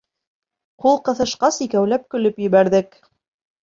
Ҡул ҡыҫышҡас, икәүләп көлөп ебәрҙек.